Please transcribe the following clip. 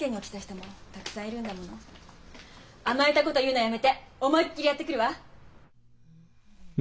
甘えたこと言うのやめて思いっきりやってくるわ！